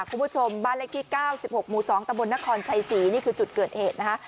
คุณผู้ชมบ้านเลขที่๙๖หมู่๒ตะบนนครชัยศรีนี่คือจุดเกิดเหตุนะคะ